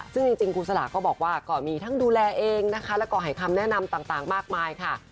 ซึ่งจริงครูสลาก็บอกว่าก็มีทั้งดูแลเองนะคะแล้วก็ให้คำแนะนำต่างมากมายค่ะ